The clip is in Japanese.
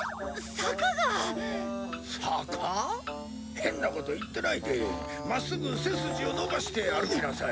変なこと言ってないで真っすぐ背筋を伸ばして歩きなさい。